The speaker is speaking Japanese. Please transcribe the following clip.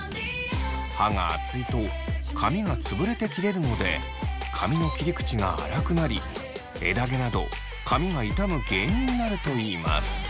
刃が厚いと髪が潰れて切れるので髪の切り口があらくなり枝毛など髪が傷む原因になるといいます。